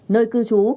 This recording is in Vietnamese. nơi cư trú